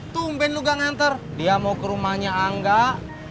tumpen lu gak nganter dia mau ke rumahnya anggak